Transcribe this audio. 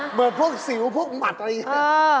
เหมือนพวกสิวพวกหมัดอะไรอย่างนี้